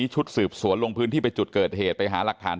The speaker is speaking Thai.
แต่มันถือปืนมันไม่รู้นะแต่ตอนหลังมันจะยิงอะไรหรือเปล่าเราก็ไม่รู้นะ